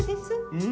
うん。